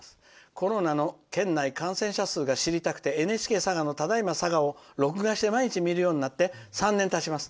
コロナの県内感染者数が知りたくて、ＮＨＫ佐賀の「ただいま佐賀」を録画して毎日見るようになって３年たちます。